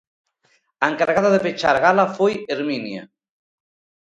A encargada de pechar a gala foi Herminia.